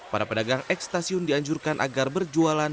para pedagang eks stasiun dianjurkan agar berjualan